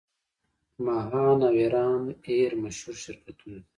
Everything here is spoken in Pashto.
ماهان او ایران ایر مشهور شرکتونه دي.